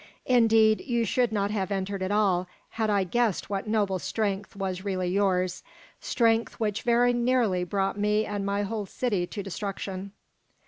Indeed, you should not have entered at all had I guessed what noble strength was really yours, strength which very nearly brought me and my whole city to destruction."